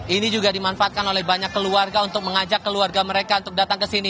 ini juga dimanfaatkan oleh banyak keluarga untuk mengajak keluarga mereka untuk datang ke sini